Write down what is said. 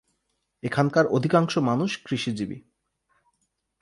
এখানকার অধিকাংশ মানুষ কৃষিজীবী।